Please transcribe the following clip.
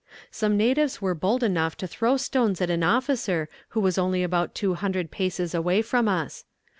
"Some natives were bold enough to throw stones at an officer who was only about two hundred paces away from us.